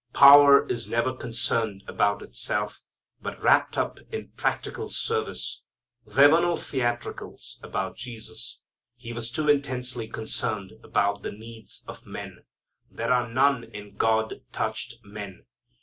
Power is never concerned about itself, but wrapped up in practical service. There were no theatricals about Jesus. He was too intensely concerned about the needs of men. There are none in God touched men.